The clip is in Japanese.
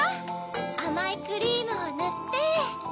あまいクリームをぬって。